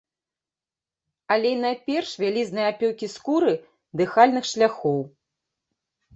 Але найперш вялізныя апёкі скуры, дыхальных шляхоў.